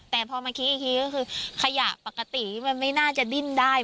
แต่พอมาคิดอีกทีก็คือขยะปกติที่มันไม่น่าจะดิ้นได้